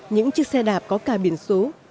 những chiếc xe đạp có cả biển số